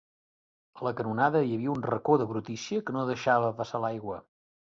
A la canonada hi havia un racó de brutícia que no deixava passar l'aigua.